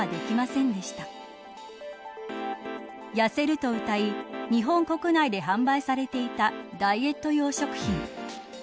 痩せるとうたい日本国内で販売されていたダイエット用食品。